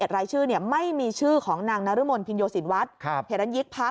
๒๑รายชื่อไม่มีชื่อของนางนรมนธ์พิญโยศิลวัฒน์เผ็ดลันยิกภักดิ์